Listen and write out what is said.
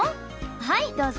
はいどうぞ。